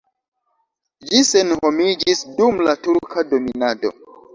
Ĝi senhomiĝis dum la turka dominado.